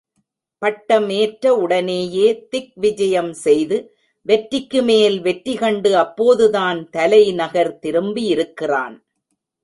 பட்டம் ஏற்ற உடனேயே திக்விஜயம் செய்து, வெற்றிக்கு மேல் வெற்றி கண்டு அப்போதுதான் தலைநகர் திரும்பியிருக்கிறான்.